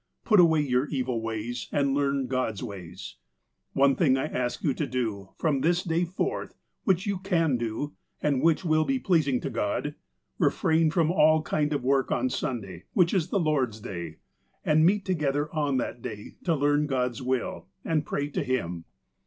Put away your evil ways, and learn God's ways. *' One thing I ask you to do, from this day forth, which you can do, and which will be pleasing to God. Eefrain from all kind of work on Sunday, which is the Lord's Day, and meet together on that day to learn God's will, and pray to Him.